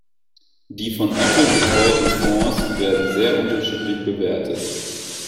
Die von Otte betreuten Fonds werden sehr unterschiedlich bewertet.